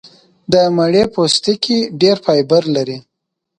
د مڼې پوستکی ډېر فایبر لري.